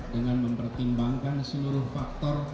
dengan mempertimbangkan seluruh faktor